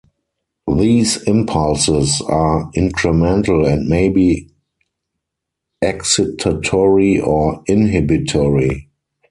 These impulses are incremental and may be excitatory or inhibitory.